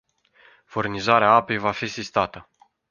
Furnizarea apei va fi sistată.